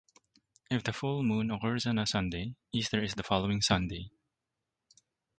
If the full moon occurs on a Sunday, Easter is the following Sunday.